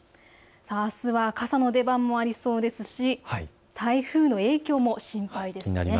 あすは傘の出番もありそうですし、台風の影響も心配です。